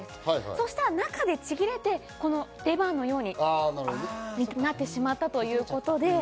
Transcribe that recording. そしたら中でちぎれて、レバーのようになってしまったということで。